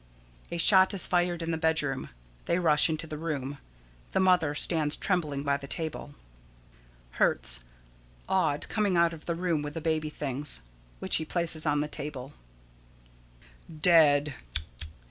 [A shot is fired in the bedroom. They rush into the room. The Mother stands trembling by the table.] Hertz: [Awed, coming out of the room with the baby things, which he places on the table.] Dead!